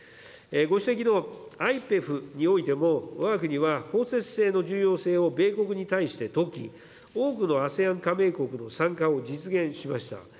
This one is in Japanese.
ご指摘のＩＰＥＦにおいても、わが国は、包摂性の重要性を米国に対して説き、多くのＡＳＥＡＮ加盟国の参加を実現しました。